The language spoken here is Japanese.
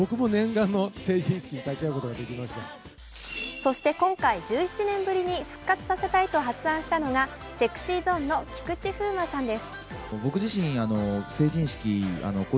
そして今回、１７年ぶりに復活させたいと発案したのがＳｅｘｙＺｏｎｅの菊池風磨さんです。